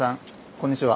こんにちは。